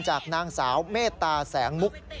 จากนางสาวเมตตาแสงมุก